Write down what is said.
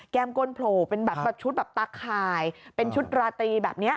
แก้มก้นโผล่เป็นชุดตักข่ายเป็นชุดราตรีแบบนี้